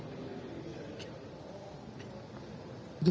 itu poin yang kedua yang paling penting